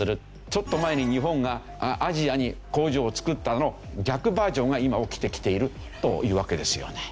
ちょっと前に日本がアジアに工場を作ったのの逆バージョンが今起きてきているというわけですよね。